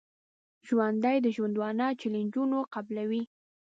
ژوندي د ژوندانه چیلنجونه قبلوي